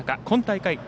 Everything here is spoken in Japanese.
今大会